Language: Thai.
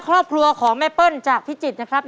ครอบครัวของแม่เปิ้ลจากพิจิตรนะครับ